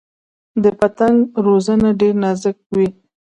د پتنګ وزرونه ډیر نازک وي